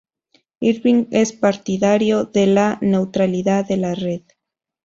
Irving es partidario de la neutralidad de la red